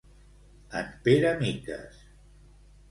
En Pere miques.